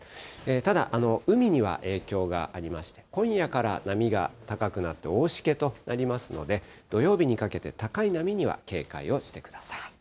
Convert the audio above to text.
ただ、海には影響がありまして、今夜から波が高くなって、大しけとなりますので、土曜日にかけて、高い波には警戒をしてください。